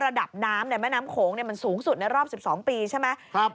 ระดับน้ำในแม่น้ำโขงมันสูงสุดในรอบ๑๒ปีใช่ไหม